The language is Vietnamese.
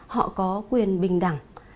họ có quyền bình đẳng